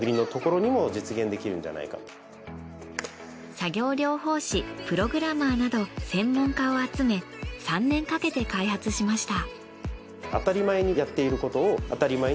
作業療法士プログラマーなど専門家を集め３年かけて開発しました。